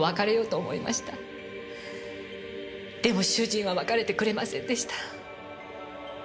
でも主人は別れてくれませんでした。